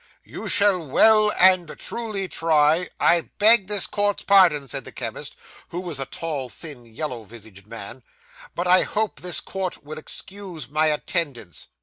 You shall well and truly try ' 'I beg this court's pardon,' said the chemist, who was a tall, thin, yellow visaged man, 'but I hope this court will excuse my attendance.